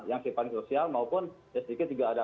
yang simpan sosial maupun sedikit juga ada